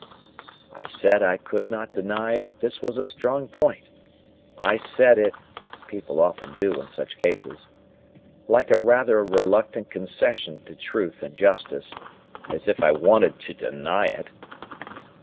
I said I could not deny that this was a strong point. I said it (people often do so, in such cases) like a rather reluctant concession to truth and justice;—as if I wanted to deny it!